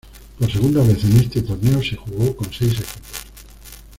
Por segunda vez en este torneo se jugó con seis equipos.